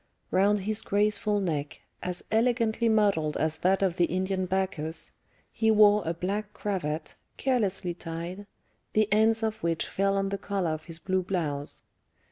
Round his graceful neck, as elegantly modelled as that of the Indian Bacchus, he wore a black cravat, carelessly tied, the ends of which fell on the collar of his blue blouse.